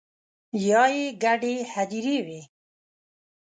یا يې ګډې هديرې وي